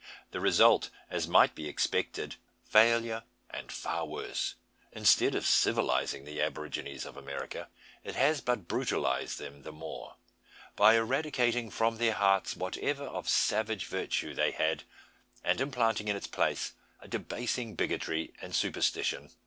The result as might be expected failure and far worse. Instead of civilising the aborigines of America, it has but brutalised them the more by eradicating from their hearts whatever of savage virtue they had, and implanting in its place a debasing bigotry and superstition.